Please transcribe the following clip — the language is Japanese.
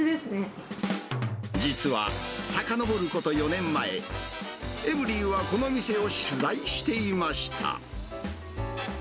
実は、さかのぼること４年前、エブリィはこの店を取材していました。